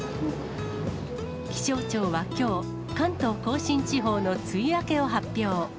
気象庁はきょう、関東甲信地方の梅雨明けを発表。